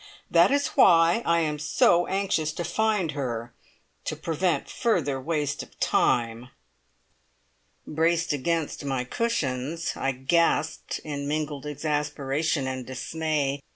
That is why I am so anxious to find her to prevent further waste of time." Braced against my cushions, I gasped in mingled exasperation and dismay.